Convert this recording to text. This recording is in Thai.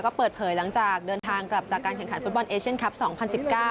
ก็เปิดเผยหลังจากเดินทางกลับจากการแข่งขันฟุตบอลเอเชียนคลับ๒๐๑๙